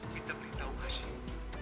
kita beritahu asyik